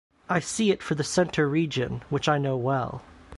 I see it for the Center region, which I know well.